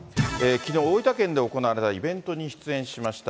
きのう、大分県で行われたイベントに出演しました。